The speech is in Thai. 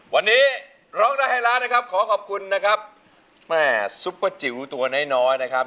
วันนี้ร้องได้ไหลล้าขอขอบคุณนะครับซูเปอร์จิ๋วตัวน้อยนะครับ